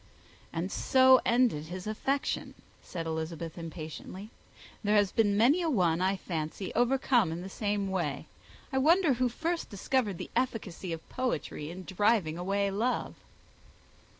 "And so ended his affection," said Elizabeth, impatiently. "There has been many a one, I fancy, overcome in the same way. I wonder who first discovered the efficacy of poetry in driving away love!"